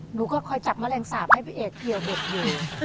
หนูก็คอยจับแมลงสาปให้พี่เอกเกี่ยวเด็กอยู่